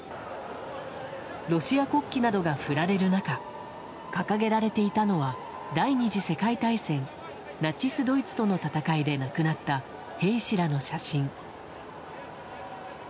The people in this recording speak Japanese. ロシア国旗などが振られる中掲げられていたのは第２次世界大戦ナチスドイツとの戦いで亡くなった兵士らの写真。